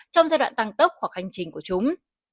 trong giai đoạn tăng tốc hoặc hành trình của chúng